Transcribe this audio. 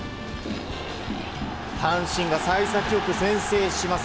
阪神が幸先良く先制します。